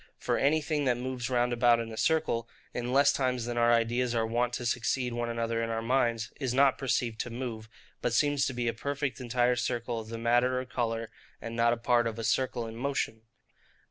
For anything that moves round about in a circle, in less times than our ideas are wont to succeed one another in our minds, is not perceived to move; but seems to be a perfect entire circle of the matter or colour, and not a part of a circle in motion.